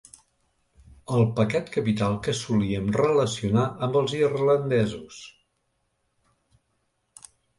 El pecat capital que solíem relacionar amb els irlandesos.